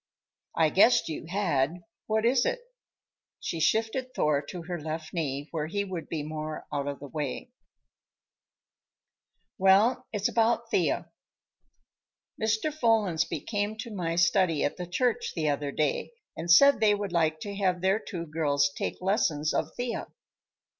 "I guessed you had. What is it?" She shifted Thor to her left knee, where he would be more out of the way. "Well, it's about Thea. Mr. Follansbee came to my study at the church the other day and said they would like to have their two girls take lessons of Thea.